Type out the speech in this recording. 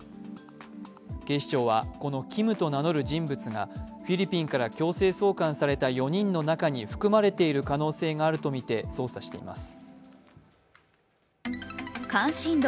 警視庁はこのＫｉｍと名乗る人物がフィリピンから強制送還された４人の中に含まれている可能性があるとみて捜査しています。